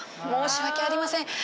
申し訳ありません。